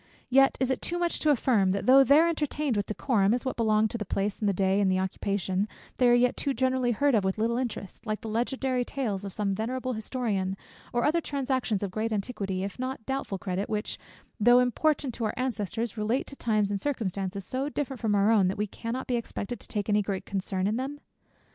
Yet is it too much to affirm, that though there entertained with decorum, as what belong to the day and place, and occupation, they are yet too generally heard of with little interest; like the legendary tales of some venerable historian, or other transactions of great antiquity, if not of doubtful credit, which, though important to our ancestors, relate to times and circumstances so different from our own, that we cannot be expected to take any great concern in them?